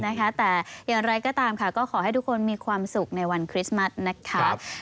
แต่อย่างไรก็ตามค่ะก็ขอให้ทุกคนมีความสุขในวันคริสต์มัสนะคะ